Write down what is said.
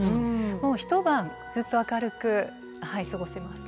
もう一晩ずっと明るく過ごせます。